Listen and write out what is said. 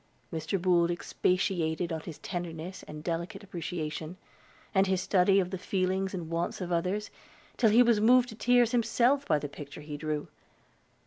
Mr. Boold expatiated on his tenderness and delicate appreciation, and his study of the feelings and wants of others, till he was moved to tears himself by the picture he drew.